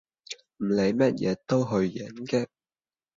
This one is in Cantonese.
唔理乜嘢都去飲嘅